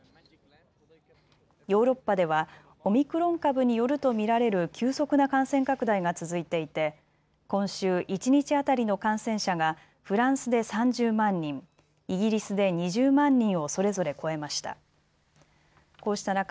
ヨーロッパではオミクロン株によると見られる急速な感染拡大が続いていて今週、一日当たりの感染者がフランスで３０万人、イギリスで２０万人をそれぞれ超えました。